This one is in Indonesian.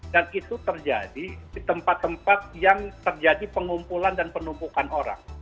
dan itu terjadi di tempat tempat yang terjadi pengumpulan dan penumpukan orang